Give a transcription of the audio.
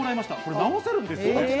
直せるんですよ！